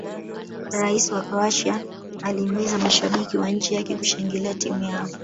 rais wa croatia alihimiza mashabiki wa nchi yake kushangilia timu yao